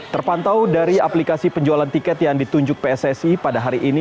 terpantau dari aplikasi penjualan tiket yang ditunjuk pssi pada hari ini